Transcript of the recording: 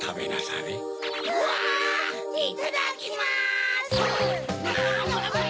いただきます！